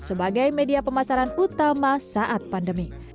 sebagai media pemasaran utama saat pandemi